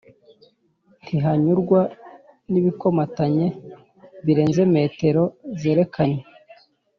Ntihanyurwa n'ibikomatanye birenze metero zerekanywe